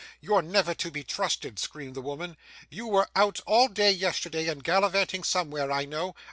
'You're never to be trusted,' screamed the woman; 'you were out all day yesterday, and gallivanting somewhere I know.